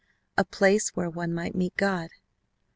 A place where one might meet God!